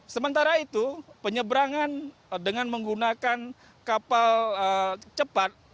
sementara itu penyeberangan dengan menggunakan kapal cepat